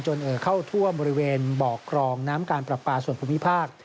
เอ่อเข้าทั่วบริเวณบอกกรองน้ำการปรับปลาส่วนภูมิภาค